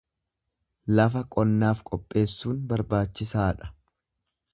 Lafa qonnaaf qopheessuun barbaachisaa dha.